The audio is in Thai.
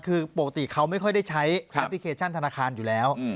คือปกติเขาไม่ค่อยได้ใช้แอปพลิเคชันธนาคารอยู่แล้ว